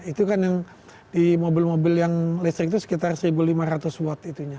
itu kan yang di mobil mobil yang listrik itu sekitar satu lima ratus watt itunya